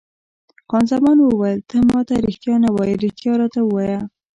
خان زمان وویل: ته ما ته رښتیا نه وایې، رښتیا راته ووایه.